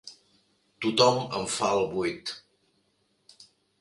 Tothom em fa el buit.